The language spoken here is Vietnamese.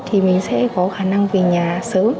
thì mình sẽ có khả năng về nhà sớm